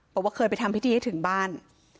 บอกว่าเคยไปทำพิธีให้ถึงบ้าน